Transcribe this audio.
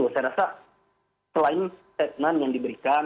saya rasa selain statement yang diberikan